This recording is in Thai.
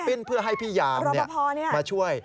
ปิ้นเพื่อให้พี่ยามมาช่วยแล้วพี่รอปภเนี่ยมาช่วย